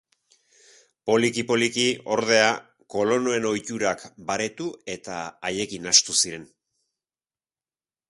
Poliki-poliki, ordea, kolonoen ohiturak beretu eta haiekin nahastu ziren.